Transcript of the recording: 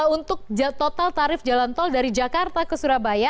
untuk total tarif jalan tol dari jakarta ke surabaya